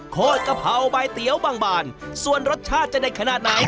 โคตรกระเภาใบเตี๋ยวบางบานส่วนรสชาติจะได้ขนาดไหน